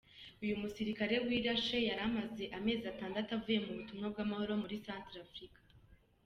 Uyu musirikare wirashe yari amaze amezi atandatu avuye mu butumwa bw’amahoro muri Santrafrika.